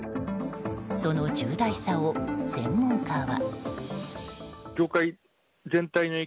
その重大さを、専門家は。